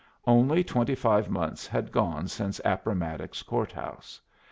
Only twenty five months had gone since Appomattox Court House.